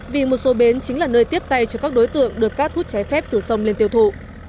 vì một số bến chính là nơi tiếp tay cho các đối tượng đưa cát hút trái phép từ sông lên tiêu thụ